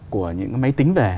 của những cái máy tính về